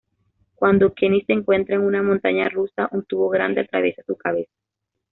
Cuando Kenny se encuentra en una Montaña Rusa, un tubo grande atraviesa su cabeza.